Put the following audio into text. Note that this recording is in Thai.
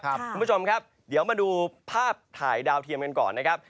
คุณผู้ชมครับเดี๋ยวมาดูภาพถ่ายดาวเทียมกันก่อนนะครับ